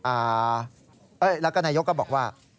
แล้วก็นายกก็บอกว่า